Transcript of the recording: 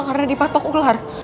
karena dipatok ular